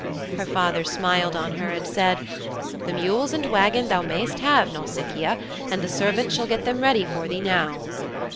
Her father smiled on her and said, 'The mules and wagon thou mayst have, Nausicaa, and the servants shall get them ready for thee now.'